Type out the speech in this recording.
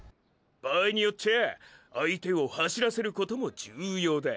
場合によっちゃ相手を「走らせる」ことも重要だ！